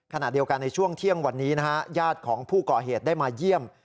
ขณะเดียวกันในช่วงเที่ยงวันนี้นะฮะญาติของผู้ก่อเหตุได้มาเยี่ยม